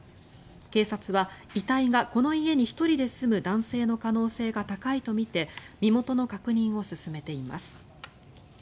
警察は遺体がこの家に１人で住む男性の可能性が高いとみて身元の確認を進めています。